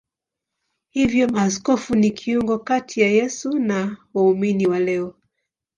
Hivyo maaskofu ni kiungo kati ya Yesu na waumini wa leo.